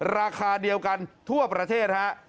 ราคาเดียวกันทั่วประเทศฮะ